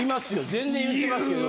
全然言ってますよ。